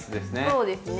そうですね。